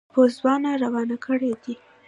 پوځونه روان کړي دي.